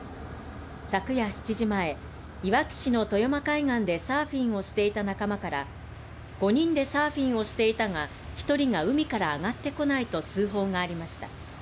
昨夜７時前、いわき市の豊間海岸でサーフィンをしていた仲間から５人でサーフィンをしていたが、１人が海から上がってこないと通報がありました。